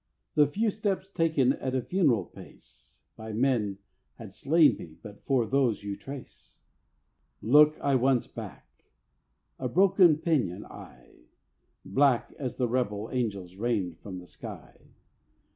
The few steps taken at a funeral pace By men had slain me but for those you trace. Look I once back, a broken pinion I: Black as the rebel angels rained from sky!